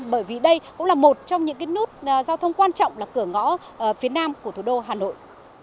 bởi vì đây cũng là một trong những nút giao thông quan trọng là cửa ngõ phía nam của thủ đô hà nội